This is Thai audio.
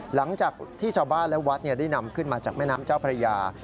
หลังจากที่ชาวบ้านและวัดได้นำขึ้นมาจากแม่น้ำเจ้าพระยา